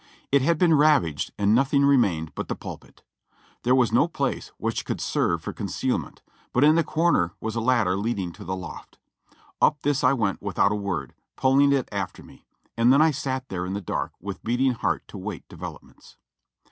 It had been ravaged and nothing remained but the pulpit. There was no place which could serve for concealment; but in the corner was a ladder leading to the loft. Up this I went without a word, pulling it after me ; and then I sat there in the dark with beating heart to wait developments.